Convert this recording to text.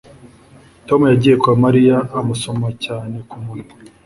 tom yagiye kwa mariya amusoma cyane ku munwa